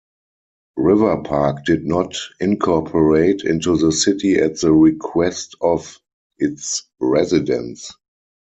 River Park did not incorporate into the city at the request of its residents.